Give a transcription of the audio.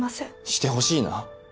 してほしいな。